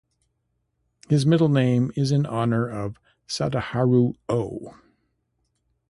His middle name is in honor of Sadaharu Oh.